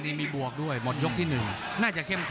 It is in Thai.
นี่มีบวกด้วยหมดยกที่หนึ่ง